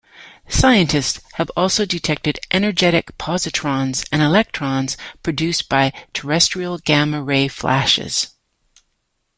Scientists have also detected energetic positrons and electrons produced by terrestrial gamma-ray flashes.